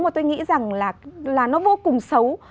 mà tôi nghĩ rằng là nó vô cùng xấu